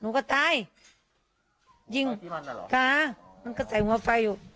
หนูก็ตายยิงกะมันก็ใส่หัวไฟอยู่